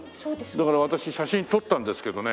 だから私写真撮ったんですけどね。